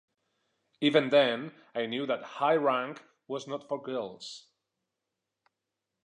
Even then, I knew that high rank was not for girls.